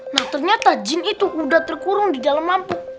nah ternyata jin itu udah terkurung di dalam lampu